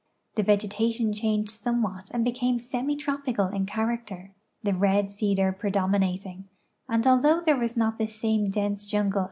The vegetation changed somewhat and became semi tropical in character, the red cedar predominating, and although there was not the same dense jungle